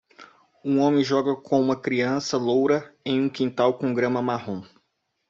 Um homem joga com uma criança loura em um quintal com grama marrom.